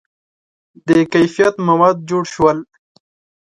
• د کیفیت مواد جوړ شول.